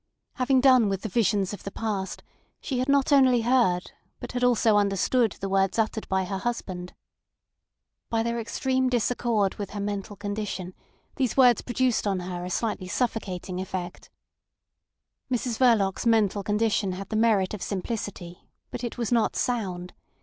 Having done with the visions of the past, she had not only heard, but had also understood the words uttered by her husband. By their extreme disaccord with her mental condition these words produced on her a slightly suffocating effect. Mrs Verloc's mental condition had the merit of simplicity; but it was not sound.